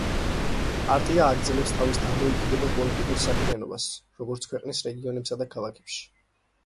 პარტია აგრძელებს თავის დამოუკიდებელ პოლიტიკურ საქმიანობას როგორც ქვეყნის რეგიონებსა და ქალაქებში, ასევე უცხოეთში.